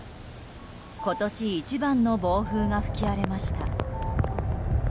今年一番の暴風が吹き荒れました。